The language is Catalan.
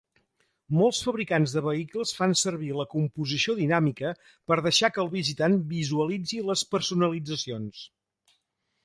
Molts fabricants de vehicles fan servir la composició dinàmica per deixar que el visitant visualitzi les personalitzacions.